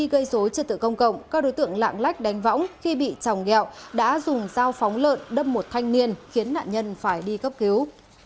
gây dối trật tự công cộng các đối tượng lạng lách đánh võng khi bị tròng gẹo đã dùng dao phóng lợn đâm một thanh niên khiến nạn nhân phải đi cấp cứu